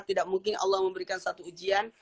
tidak mungkin allah memberikan satu ujian